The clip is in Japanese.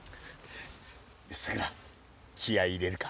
さくら気合い入れるか。